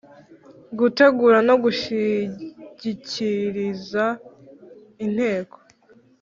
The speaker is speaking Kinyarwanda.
Gutegura no gushyigikiriza Inteko